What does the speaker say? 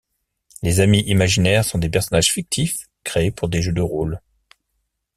Les amis imaginaires sont des personnages fictifs créés pour des jeux de rôle.